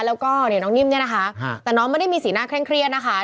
แต่น้องนิ่มไม่ได้มีสีหน้าเครียดนะคะ